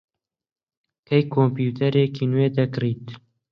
کەی کۆمپیوتەرێکی نوێ دەکڕیت؟